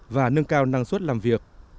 và nâng cao năng suất làm việc